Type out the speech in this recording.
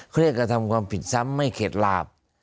เขาเรียกกระทำความผิดซ้ำไม่เข็ดหลาบ